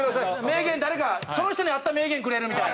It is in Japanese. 名言誰かその人に合った名言くれるみたい。